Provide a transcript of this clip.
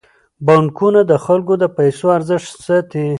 بانکونه د خلکو د پيسو ارزښت ساتي.